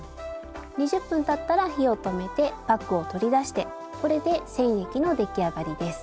２０分たったら火を止めてパックを取り出してこれで染液の出来上がりです。